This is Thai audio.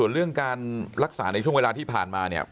เรื่องการรักษาในช่วงเวลาที่ผ่านมาเนี่ย